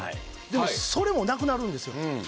でもそれもなくなるんですよ。